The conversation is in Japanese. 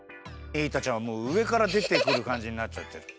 イータちゃんはもううえからでてくるかんじになっちゃってる。